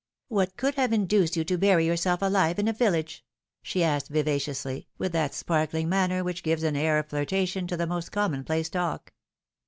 What could have induced you to bury yourself alive in a vil lage ?" she asked vivaciously, with that sparkling manner which gives an air of flirtation to the most commonplace talk.